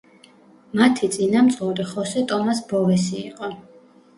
მათი წინამძღოლი ხოსე ტომას ბოვესი იყო.